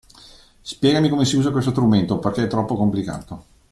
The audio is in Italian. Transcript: Spiegami come si usa questo strumento, perché è troppo complicato.